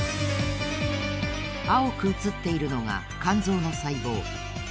あおくうつっているのが肝臓のさいぼう。